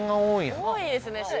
多いですね